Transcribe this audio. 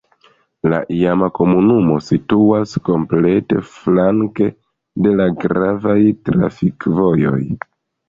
La iama komunumo situas komplete flanke de la gravaj trafikvojoj.